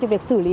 cho việc xử lý